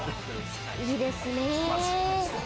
いいですね。